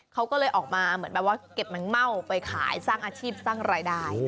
เขาก็เลยออกมาเหมือนแบบว่าเก็บมันเม่าไปขายสร้างอาชีพสร้างรายได้